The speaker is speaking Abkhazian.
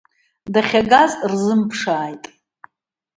Дахьагаз рзымԥшааит.